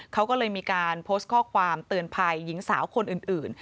เขาก็เลยมีการโพสต์ข้อความเตือนภัยหญิงสาวคนอื่น